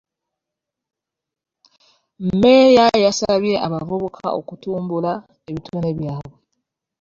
Mmeeya yasabye abavubuka okutumbula ebitone byabwe .